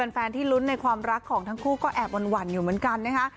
แฟนที่ลุ้นในความรักของทั้งคู่ก็แอบหวั่นอยู่เหมือนกันนะคะ